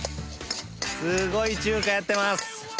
すごい中華やってます